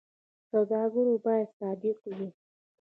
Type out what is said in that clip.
سوداګر باید صادق وي